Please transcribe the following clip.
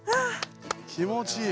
気持ちいい。